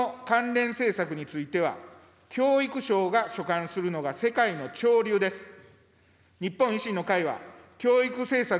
関連政策については、教育省が所管するのが世界の潮流です。